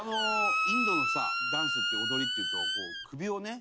インドのさダンスって踊りっていうとこう首をね